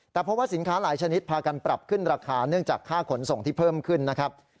แต่เพราะว่าสินค้าหลายชนิดพากันปรับขึ้นราคาเนื่องจากค่าขนส่งที่เพิ่มขึ้นนะครับ